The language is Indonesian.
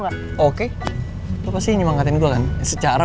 yang penting kalian menemani eko bersama bri